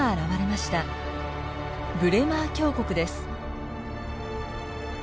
ブレマー峡谷です。